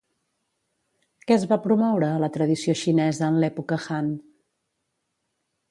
Què es va promoure a la tradició xinesa en l'època Han?